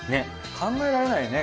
考えられないよね。